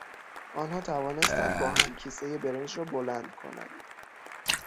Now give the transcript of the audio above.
آنها توانستند با هم کیسهی برنج را بلند کنند.